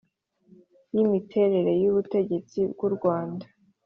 y imiterere y ubutegetsi bw’ u Rwanda